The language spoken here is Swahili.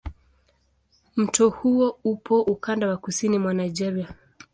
Mto huo upo ukanda wa kusini mwa Nigeria.